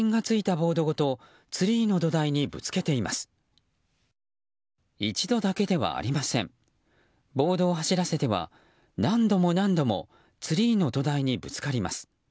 ボードを走らせては何度も何度もツリーの土台にぶつかります。